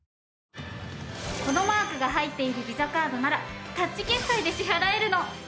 このマークが入っているＶｉｓａカードならタッチ決済で支払えるの。